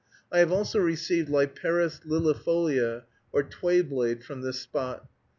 I have also received Liparis liliifolia, or tway blade, from this spot.